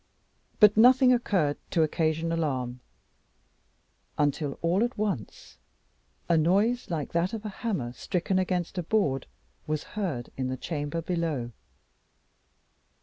But nothing occurred to occasion alarm, until all at once, a noise like that of a hammer stricken against a board, was heard in the chamber below.